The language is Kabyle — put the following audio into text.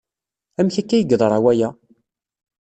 Amek akka ay yeḍra waya?